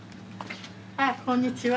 あっこんにちは。